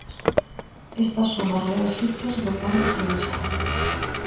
Estas son as reais cifras do paro en Galiza.